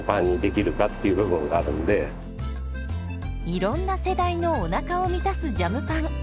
いろんな世代のおなかを満たすジャムパン。